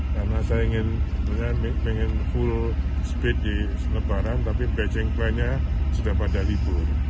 karena saya ingin full speed di lebaran tapi beijing flight nya sudah pada libur